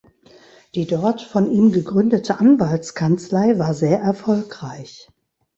Die dort von ihm gegründete Anwaltskanzlei war sehr erfolgreich.